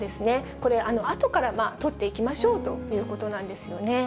これ、あとからとっていきましょうということなんですよね。